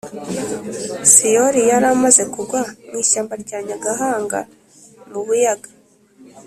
Syoli yari amaze kugwa mu ishyamba rya Nyagahanga mu Buyaga